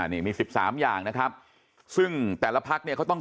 หมดหรือยัง